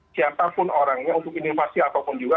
siapapun orangnya untuk inovasi apapun juga